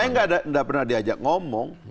saya tidak pernah diajak ngomong